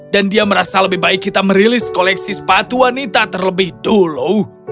dan dia merasa lebih baik kita merilis koleksi sepatu wanita terlebih dulu